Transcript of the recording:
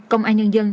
công an nhân dân